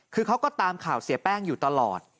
คือเขาก็ตามข่าวเสียแป้งอยู่ตลอด